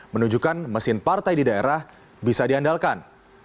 menunjukkan mesin partai di daerah bisa diandalkan